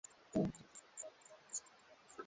Simu yangu ni nyepesi